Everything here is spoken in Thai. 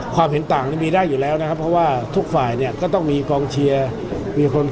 ความเห็นต่างมีได้อยู่แล้วนะครับเพราะว่าทุกฝ่ายเนี่ยก็ต้องมีกองเชียร์มีคน